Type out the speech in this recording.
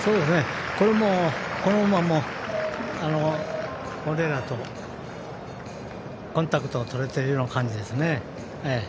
この馬もモレイラとコンタクトを取れているような感じですね。